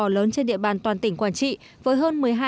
luôn được an toàn khỏe mạnh và phát triển tốt